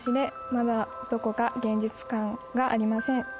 「まだどこか現実感がありません」